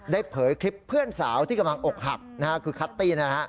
เผยคลิปเพื่อนสาวที่กำลังอกหักคือคัตตี้นะฮะ